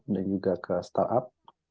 dan juga ke startup